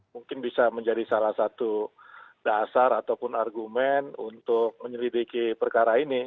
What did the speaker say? mungkin bisa menjadi salah satu dasar ataupun argumen untuk menyelidiki perkara ini